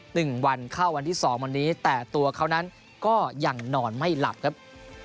หนึ่งวันเข้าวันที่สองวันนี้แต่ตัวเขานั้นก็ยังนอนไม่หลับครับ